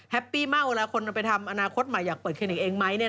แฮปปี้มากเราก็จะไปทำอนาคตไหนอยากเปิดเคลนิกเองไหม